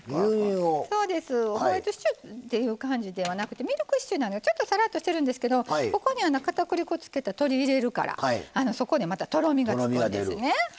ホワイトシチューという感じではなくてミルクシチューなんでちょっと、さらっとした感じなんですけどここに、かたくり粉つけた鶏、入れるからそこで、とろみがつくんです。